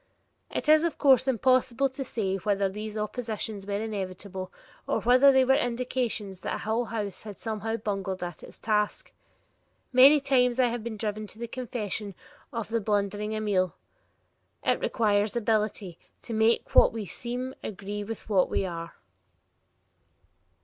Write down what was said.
It is, of course impossible to say whether these oppositions were inevitable or whether they were indications that Hull House had somehow bungled at its task. Many times I have been driven to the confession of the blundering Amiel: "It requires ability to make what we seem agree with what we are."